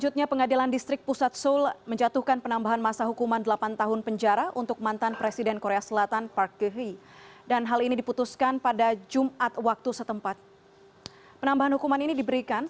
tidak ada yang bisa diberikan